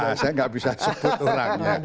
nah saya gak bisa sebut orang ya